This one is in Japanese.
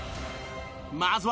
まずは